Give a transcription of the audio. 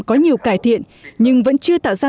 có nhiều cải thiện nhưng vẫn chưa tạo ra